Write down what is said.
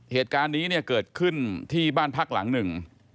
เหตุการณ์นี้เนี่ยเกิดขึ้นที่บ้านพักหลังหนึ่ง